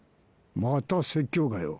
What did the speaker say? また説教かよ